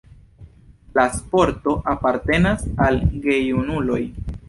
La sporto apartenas al gejunuloj.